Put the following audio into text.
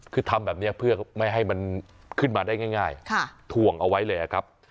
คือทำแบบนี้เพื่อไม่ให้มันขึ้นมาได้ง่ายถ่วงเอาไว้เลยครับ